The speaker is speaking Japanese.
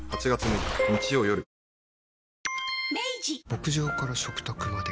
牧場から食卓まで。